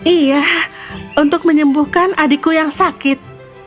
iya untuk menyembuhkan adikku yang sakit